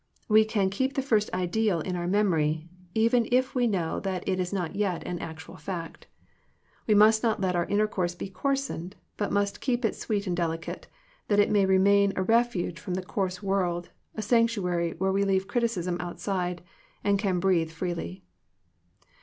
We can keep the first ideal in our memory, even if we know that it is not 46 Digitized by VjOOQIC THE CULTURE OF FRIENDSHIP yet an actual fact We must not let our intercourse be coarsened, but must keep it sweet and delicate, that it may remain a refuge from the coarse world, a sanc tuary where we leave criticism outside, and can breathe freely.